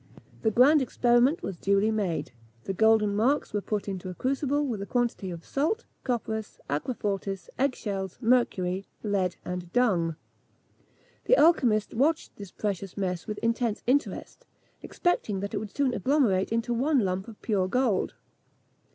The grand experiment was duly made; the golden marks were put into a crucible, with a quantity of salt, copperas, aquafortis, egg shells, mercury, lead, and dung. The alchymists watched this precious mess with intense interest, expecting that it would agglomerate into one lump of pure gold.